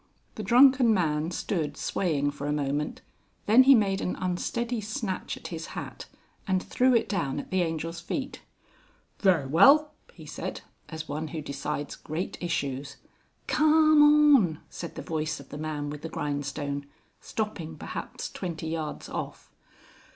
The drunken man stood swaying for a moment, then he made an unsteady snatch at his hat and threw it down at the Angel's feet. "Ver well," he said, as one who decides great issues. "Carm on!" said the voice of the man with the grindstone stopping perhaps twenty yards off.